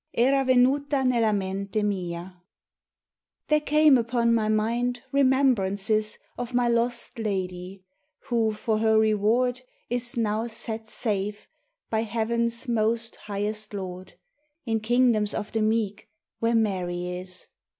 'Era venuta nella mente mia.' THERE came upon my mind remembrances Of my lost lady, who for her reward Is now set safe, by Heaven's Most Highest Lord, In kingdoms of the meek, where Mary is.